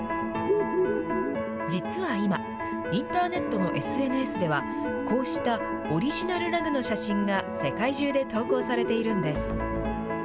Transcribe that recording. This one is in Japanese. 実は今、インターネットのＳＮＳでは、こうしたオリジナルラグの写真が世界中で投稿されているんです。